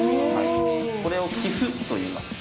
これを「棋譜」といいます。